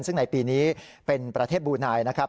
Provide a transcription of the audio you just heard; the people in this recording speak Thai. ซึ่งในปีนี้เป็นประเทศบูนายนะครับ